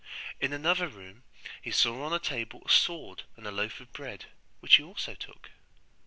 In another room he saw on a table a sword and a loaf of bread, which he also took.